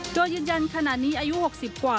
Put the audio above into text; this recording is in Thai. โดยยืนยันขณะนี้อายุ๖๐กว่า